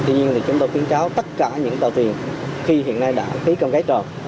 tuy nhiên thì chúng tôi khuyến cáo tất cả những tàu tiền khi hiện nay đã khí cầm gái tròn